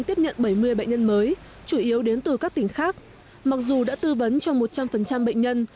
tiếp nhận bảy mươi bệnh nhân mới chủ yếu đến từ các tỉnh khác mặc dù đã tư vấn cho một trăm linh bệnh nhân